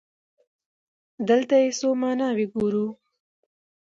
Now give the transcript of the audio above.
دلته يې څو ماناوې ګورو.